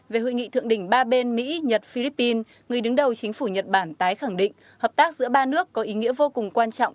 về hội nghị thượng đỉnh ba bên mỹ nhật philippine người đứng đầu chính phủ nhật bản tái khẳng định hợp tác giữa ba nước có ý nghĩa vô cùng quan trọng